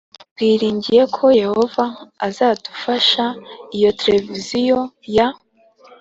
Twiringiye ko Yehova azadufasha iyo televiziyo ya